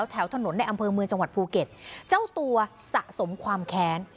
แถวถนนในอำเภอเมืองจังหวัดภูเก็ตเจ้าตัวสะสมความแค้น